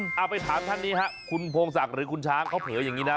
เอาไปถามท่านนี้ฮะคุณพงศักดิ์หรือคุณช้างเขาเผยอย่างนี้นะ